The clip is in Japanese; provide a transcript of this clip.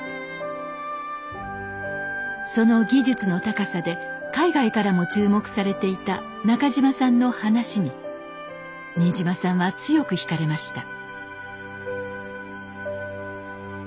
その技術の高さで海外からも注目されていた中島さんの話に新島さんは強く引かれました。